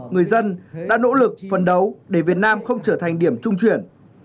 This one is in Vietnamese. người dân đã nỗ lực phân đấu để việt nam không trở thành điểm trung chuyển